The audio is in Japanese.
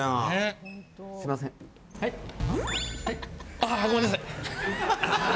ああ、ごめんなさい。